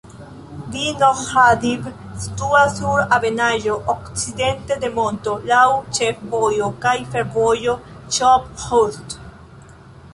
Vinohradiv situas sur ebenaĵo, okcidente de monto, laŭ ĉefvojo kaj fervojo Ĉop-Ĥust.